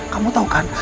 kamu tau kan